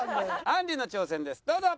あんりの挑戦ですどうぞ。